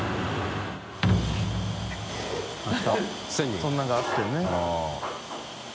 そんなんがあってね。